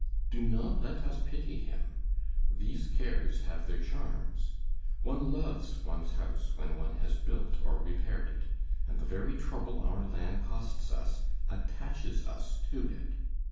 Do not let us pity him; these cares have their charms. One loves one's house when one has built or repaired it, and the very trouble our land costs us attaches us to it.